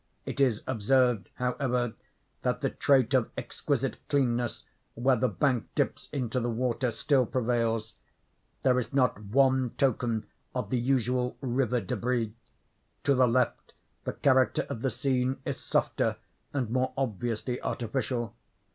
It is observed, however, that the trait of exquisite cleanness where the bank dips into the water, still prevails. There is not one token of the usual river débris. To the left the character of the scene is softer and more obviously artificial.